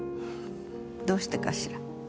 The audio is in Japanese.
どうしてかしら。